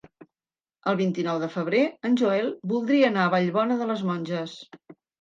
El vint-i-nou de febrer en Joel voldria anar a Vallbona de les Monges.